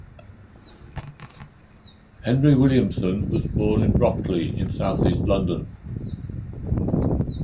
Henry Williamson was born in Brockley in south east London.